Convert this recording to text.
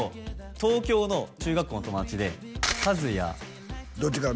東京の中学校の友達で和也どっちから？